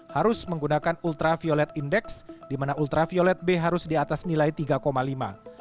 harus menggunakan ultraviolet index di mana ultraviolet b harus di atas nilai tiga lima